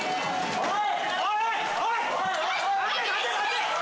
おい！